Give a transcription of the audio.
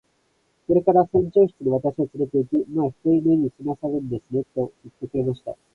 それから船長室に私をつれて行き、「まあ一寝入りしなさるんですね。」と言ってくれました。